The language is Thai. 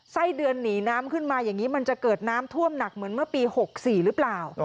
ไส้เดือนหนีน้ำขึ้นมาอย่างนี้มันจะเกิดน้ำท่วมหนักเหมือนเมื่อปี๖๔หรือเปล่า